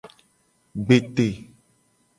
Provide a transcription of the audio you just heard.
Gbete.